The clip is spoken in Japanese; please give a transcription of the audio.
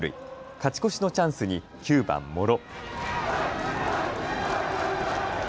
勝ち越しのチャンスに９番・茂呂。